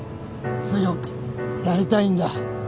強くなりたいんだ。